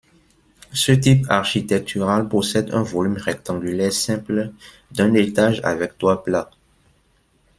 Ce type architectural possède un volume rectangulaire simple d’un étage avec toit plat.